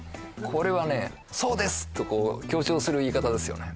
これはね「そうです！」と強調する言い方ですよね